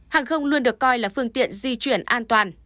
hàng không luôn được coi là phương tiện di chuyển an toàn